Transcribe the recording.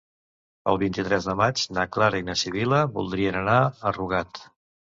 El vint-i-tres de maig na Clara i na Sibil·la voldrien anar a Rugat.